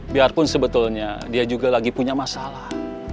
biarpun sebetulnya dia juga lagi punya masalah